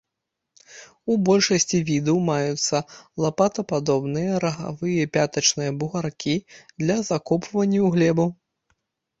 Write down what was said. У большасці відаў маюцца лапатападобныя рагавыя пятачныя бугаркі для закопвання ў глебу.